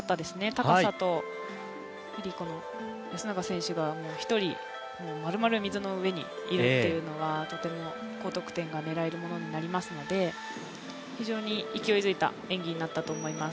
高さと、安永選手が１人まるまる水の上にいるというのは、とても高得点が狙えるものになりますので、非常に勢いづいた演技になったと思います。